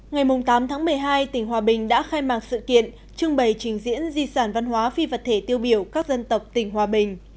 ngày tám tháng một mươi hai tỉnh hòa bình đã khai mạc sự kiện trưng bày trình diễn di sản văn hóa phi vật thể tiêu biểu các dân tộc tỉnh hòa bình